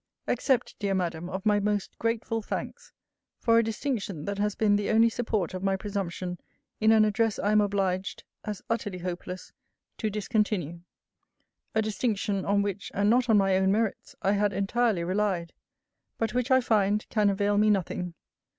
Accept, dear Madam, of my most grateful thanks for a distinction that has been the only support of my presumption in an address I am obliged, as utterly hopeless, to discontinue. A distinction, on which (and not on my own merits) I had entirely relied; but which, I find, can avail me nothing.